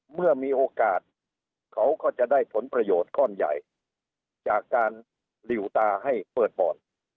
เมื่อมีโอกาสเขาก็จะได้ผลประโยชน์ก้อนใหญ่จากการหลิวตาให้เปิดบอร์ด